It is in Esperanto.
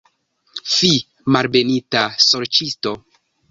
Fi, malbenita sorĉisto!